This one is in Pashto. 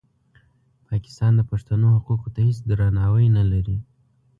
پاکستان د پښتنو حقوقو ته هېڅ درناوی نه لري.